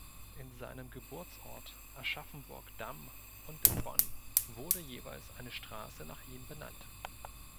In seinem Geburtsort Aschaffenburg-Damm und in Bonn wurde jeweils eine Straße nach ihm benannt.